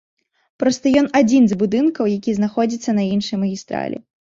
Проста ён адзін з будынкаў, які знаходзіцца на іншай магістралі.